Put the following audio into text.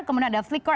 kemudian ada flickr